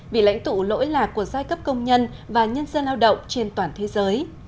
vị lãnh tụ lỗi lạc của giai cấp công nhân và nhân dân lao động trên toàn thế giới